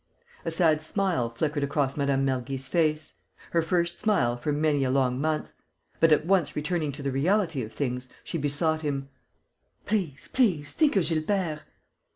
A sad smile flickered across Mme. Mergy's face, her first smile for many a long month. But, at once returning to the reality of things, she besought him: "Please, please ... think of Gilbert!"